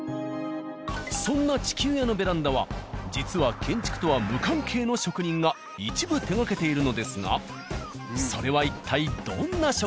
そんな地球屋のベランダは実は建築とは無関係の職人が一部手がけているのですがそれは一体どんな職人でしょう？